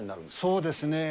え、そうですね。